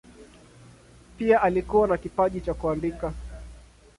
Pia alikuwa na kipaji cha kuandika.